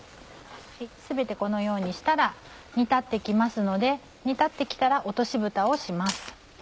全てこのようにしたら煮立って来ますので煮立って来たら落としぶたをします。